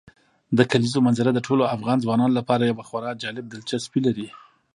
د کلیزو منظره د ټولو افغان ځوانانو لپاره یوه خورا جالب دلچسپي لري.